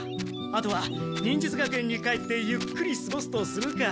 あとは忍術学園に帰ってゆっくりすごすとするか。